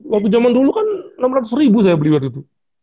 waktu jaman dulu kan enam ratus ribu saya beli buat gitu